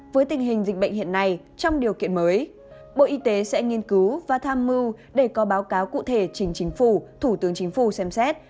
với tình hình dịch bệnh hiện nay trong điều kiện mới bộ y tế sẽ nghiên cứu và tham mưu để có báo cáo cụ thể chính chính phủ thủ tướng chính phủ xem xét